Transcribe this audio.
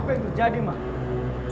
apa yang terjadi mak